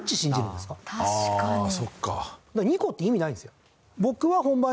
だから２個って意味ないんですよ。